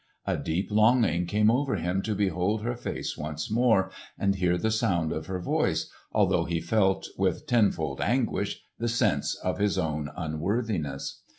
A deep longing came over him to behold her face once more and hear the sound of her voice, although he felt with tenfold anguish the sense of his own unworthiness.